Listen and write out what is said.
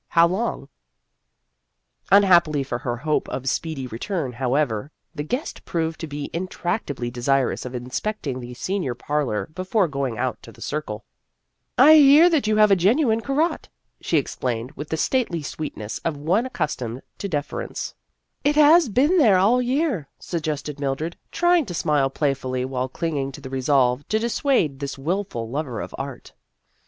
How long ?" Unhappily for her hope of speedy re turn, however, the guest proved to be in tractably desirous of inspecting the senior parlor before going out to the Circle. " I For the Honor of the Class 169 hear that you have a genuine Corot," she explained with the stately sweetness of one accustomed to deference. " It has been there all the year," sug gested Mildred, trying to smile playfully while clinging to the resolve to dissuade this wilful lover of art.